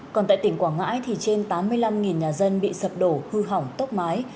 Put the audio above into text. còn tại tỉnh quảng ngãi thì trên tám mươi năm nhà dân bị sập đổ hư hỏng tốc mái